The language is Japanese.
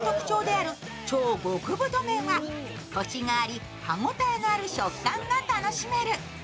最大の特徴である超極太麺は、こしがあり歯応えのある食感が楽しめる。